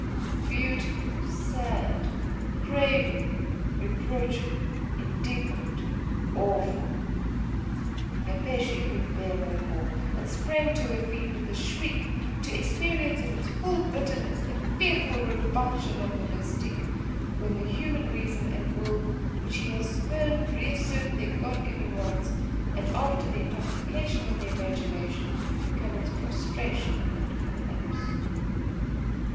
Beautiful, sad, craving, reproachful, indignant, awful.... Hypatia could bear no more: and sprang to her feet with a shriek, to experience in its full bitterness the fearful revulsion of the mystic, when the human reason and will which he has spurned reassert their God given rights; and after the intoxication of the imagination, come its prostration and collapse.